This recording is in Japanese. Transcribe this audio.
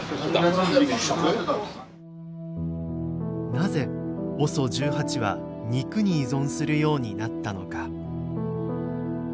なぜＯＳＯ１８は肉に依存するようになったのか。